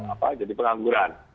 apa jadi pengangguran